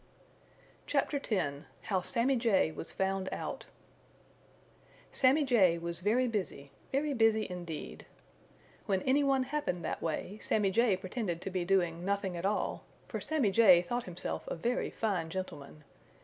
CHAPTER X HOW SAMMY JAY WAS FOUND OUT Sammy Jay was very busy, very busy indeed. When anyone happened that way Sammy Jay pretended to be doing nothing at all, for Sammy Jay thought himself a very fine gentleman.